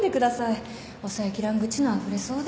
抑えきらん愚痴のあふれそうで。